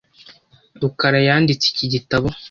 rukara yanditse iki gitabo .